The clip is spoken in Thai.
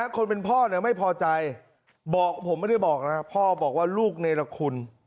คนเป็นพ่อไม่พอใจบอกผมไม่ได้บอกนะพ่อบอกว่าลูกเนรคุณ